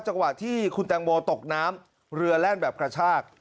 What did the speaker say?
จังหวะที่คุณแตงโมตกน้ำเรือแล่นแบบกระชาก